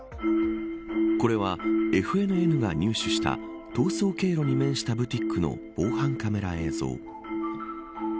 これは、ＦＮＮが入手した逃走経路に面したブティックの防犯カメラ映像。